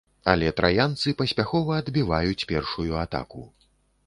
Але траянцы паспяхова адбіваюць першую атаку.